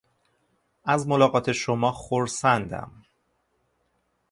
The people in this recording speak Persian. از ملاقات شما خرسندم!